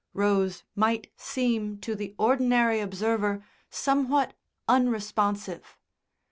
Rose might seem to the ordinary observer somewhat unresponsive.